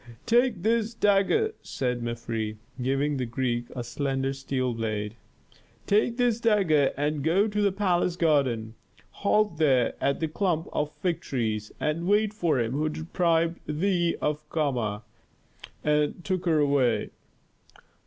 "Take this dagger," said Mefres, giving the Greek a slender steel blade. "Take this dagger and go to the palace garden. Halt there at the clump of fig trees and wait for him who deprived thee of Kama, and took her away."